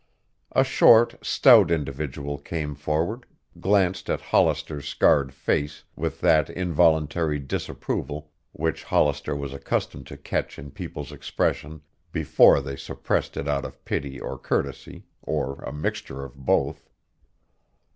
A short, stout individual came forward, glanced at Hollister's scarred face with that involuntary disapproval which Hollister was accustomed to catch in people's expression before they suppressed it out of pity or courtesy, or a mixture of both.